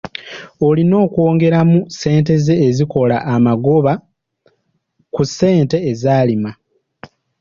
Olina okwongeramu ssente ze ezikola amagoba ku ssente ezaalima.